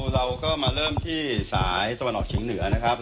เราก็มาเริ่มที่สายตะวันออกเฉียงเหนือนะครับ